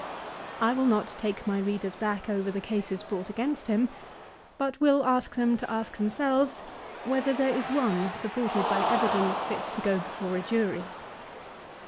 I will not take my readers back over the cases brought against him, but will ask them to ask them selves whether there is one supported by evidence fit to go before a jury.